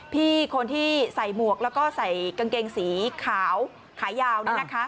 พี่คนที่ใส่หมวกแล้วก็ใส่กางเกงสีขาวขายาวนี่นะคะ